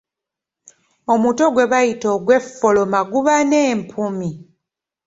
Omutwe gwe bayita ogweffolooma guba n’empumi.